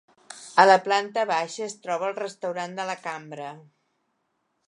A la planta baixa es troba el restaurant de la Cambra.